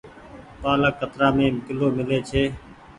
پآلڪ ڪترآ مي ڪلو ميلي ڇي۔